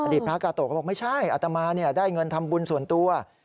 พระกาโตะก็บอกไม่ใช่อัตมาได้เงินทำบุญส่วนตัว